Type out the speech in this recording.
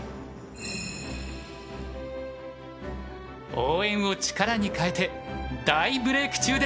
応援を力にかえて大ブレーク中です。